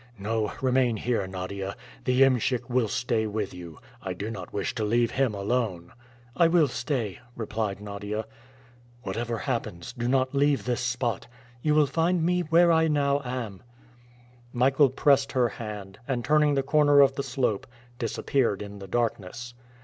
"No, remain here, Nadia. The iemschik will stay with you. I do not wish to leave him alone." "I will stay," replied Nadia. "Whatever happens, do not leave this spot." "You will find me where I now am." Michael pressed her hand, and, turning the corner of the slope, disappeared in the darkness.